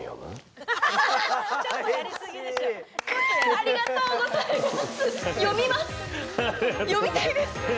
ありがとうございます！